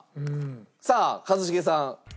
さあ一茂さん。